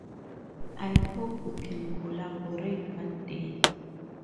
I hope we can collaborate one day.